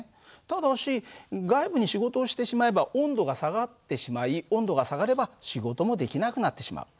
ただし外部に仕事をしてしまえば温度が下がってしまい温度が下がれば仕事もできなくなってしまう。